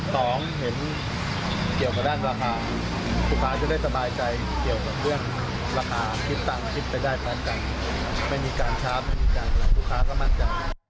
สองเห็นเกี่ยวกับด้านราคา